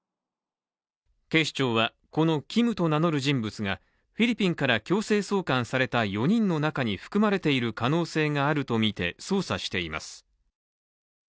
警視庁は、このＫｉｍと名乗る人物がフィリピンから強制送還された４人の中に含まれている可能性があるとみて、捜査しています。